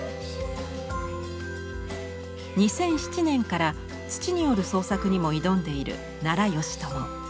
２００７年から土による創作にも挑んでいる奈良美智。